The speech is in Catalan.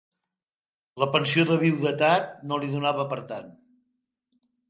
La pensió de viduïtat no li donava per tant.